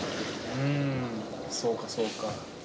うーん、そうか、そうか。